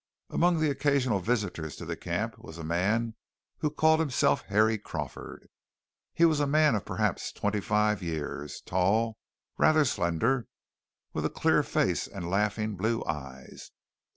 Among the occasional visitors to the camp was a man who called himself Harry Crawford. He was a man of perhaps twenty five years, tall, rather slender, with a clear face and laughing blue eyes.